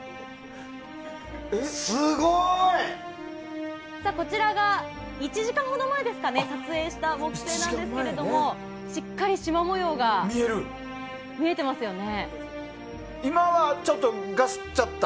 すごい！こちらが１時間ほど前に撮影した木星なんですけども、しっかりしま模様が見えていますおね。